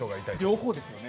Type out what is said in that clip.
両方ですね。